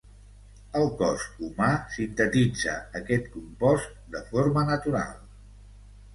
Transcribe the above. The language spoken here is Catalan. El cos humà sintetitza aquest compost de forma natural.